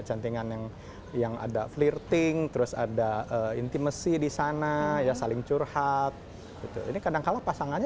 cantingannya yang ada flirting terus ada intimasi disana ya saling curhat ini kadangkan pasangannya